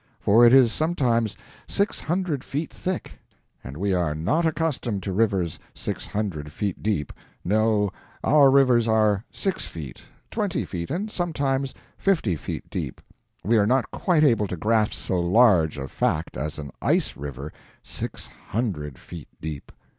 For it is sometimes six hundred feet thick, and we are not accustomed to rivers six hundred feet deep; no, our rivers are six feet, twenty feet, and sometimes fifty feet deep; we are not quite able to grasp so large a fact as an ice river six hundred feet deep.